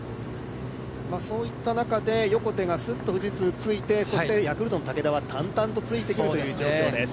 そういった中で横手が富士通についてヤクルトの武田は淡々とついてくる状況です。